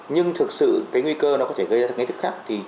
nhưng thực sự cái nguy cơ nó có thể gây ra được ngay thức khác